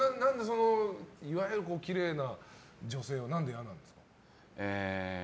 いわゆる、きれいな女性は何で嫌なんですか？